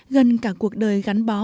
gần cả cuộc đời gắn bó